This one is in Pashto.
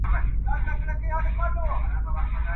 چي هر ځای به څو مرغان سره جرګه سوه.